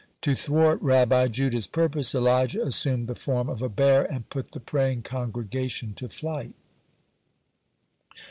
To thwart Rabbi Judah's purpose, Elijah assumed the form of a bear, and put the praying congregation to flight.